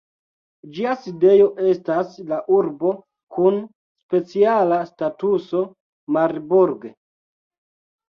Ĝia sidejo estas la urbo kun speciala statuso Marburg.